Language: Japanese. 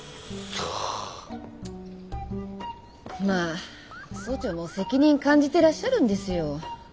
まあ総長も責任感じてらっしゃるんですよ。